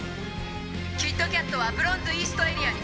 キッドキャットはブロンズイーストエリアに。